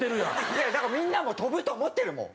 いやだからみんなも跳ぶと思ってるもん。